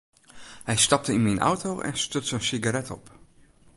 Hy stapte yn myn auto en stuts in sigaret op.